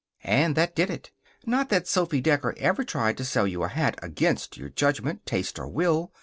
And that did it. Not that Sophy Decker ever tried to sell you a hat against your judgment, taste, or will.